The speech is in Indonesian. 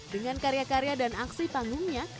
dengan karya karya dan aksi panggungnya